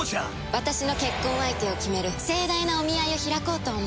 私の結婚相手を決める盛大なお見合いを開こうと思うの。